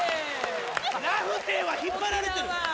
「ラフテー」は引っ張られてる。